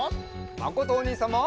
まことおにいさんも！